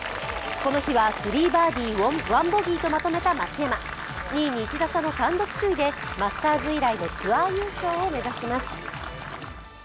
この日は３バーディー・１ボギーとまとめた松山、２位に１打差の単独首位でマスターズ以来のツアー優勝を目指します。